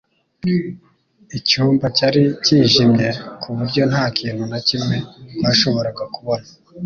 Icyumba cyari cyijimye ku buryo nta kintu na kimwe twashoboraga kubona.